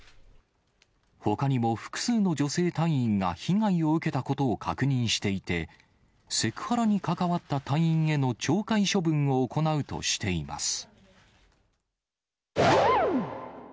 ほかにも複数の女性隊員が被害を受けたことを確認していて、セクハラに関わった隊員への懲戒処分を行うとしています。